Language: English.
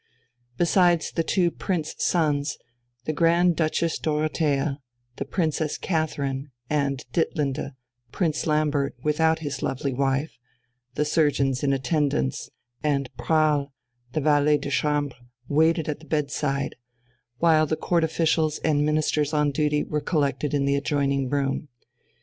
Besides the two prince sons, the Grand Duchess Dorothea, the Princesses Catherine and Ditlinde, Prince Lambert without his lovely wife the surgeons in attendance and Prahl the valet de chambre waited at the bedside, while the Court officials and Ministers on duty were collected in the adjoining room.